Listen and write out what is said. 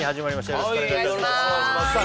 よろしくお願いしますさあ